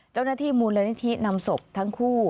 เจ้าหน้าที่มูลนิธินำศพทั้งคู่